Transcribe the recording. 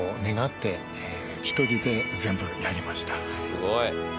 すごい。